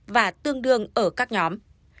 và tương đương ở các nhóm